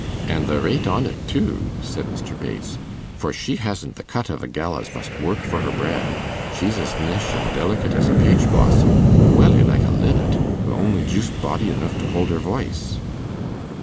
'And the raight on't too,' said Mr. Bates, 'for she hasn't the cut of a gell as must work for her bread; she's as nesh an' dilicate as a paich blossom welly laike a linnet, wi' on'y joost body anoof to hold her voice.